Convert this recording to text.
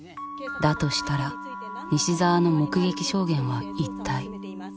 だとしたら西澤の目撃証言は一体。